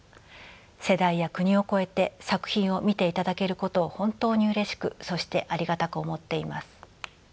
世代や国を超えて作品を見ていただけることを本当にうれしくそしてありがたく思っています。